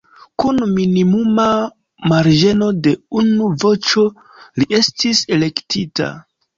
Kun minimuma marĝeno de unu voĉo li estis elektita.